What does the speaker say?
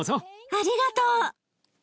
ありがとう。